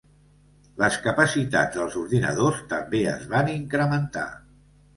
Les capacitats dels ordinadors també es van incrementar.